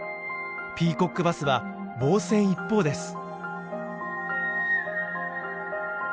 ピーコックバスは防戦一方です。